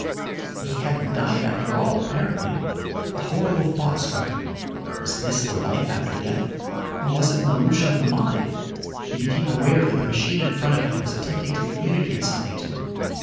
But he hadn't died after all, apparently. A horrible thought struck him! Was this the life after death? Or was it an illusion of the mind? He became aware that the machine in front of him was attempting to communicate something to him.